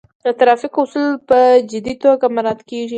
د ترافیک اصول په جدي توګه مراعات کیږي.